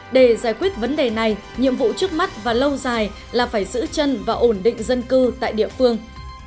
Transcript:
để giải quyết vấn đề này nhiệm vụ trước mắt và lâu dài là phải giữ chân và ổn định dân cư tại địa phương